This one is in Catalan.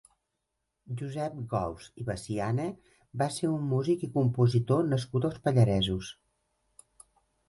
Josep Gols i Veciana va ser un músic i compositor nascut als Pallaresos.